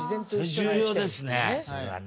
重要ですねそれはね。